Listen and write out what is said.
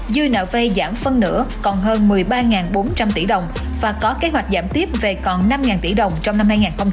dư nợ vay giảm phân nữa còn hơn một mươi ba bốn trăm linh tỷ đồng và có kế hoạch giảm tiếp về còn năm tỷ đồng trong năm hai nghìn hai mươi bốn